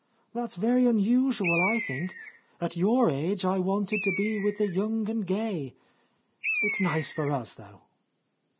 That's very unusual, I think. At your age I wanted to be with the young and gay. It's nice for us, though."